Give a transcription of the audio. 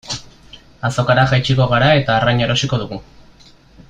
Azokara jaitsiko gara eta arraina erosiko dugu.